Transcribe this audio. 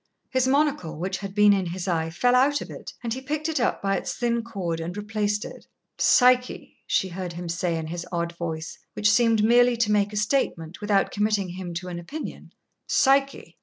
His monocle, which had been in his eye, fell out of it, and he picked it up by its thin cord and replaced it. "Psyche!" she heard him say in his odd voice, which seemed merely to make a statement without committing him to an opinion "Psyche!"